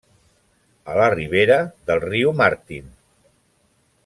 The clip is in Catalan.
A la ribera del riu Martin.